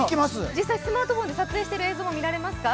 実際にスマートホンで撮影している映像見えますか？